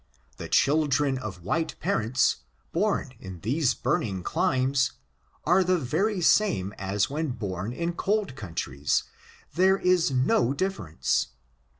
The children of white parents, born in these burning climes, are the very same as when bom in cold countries. There is no difference.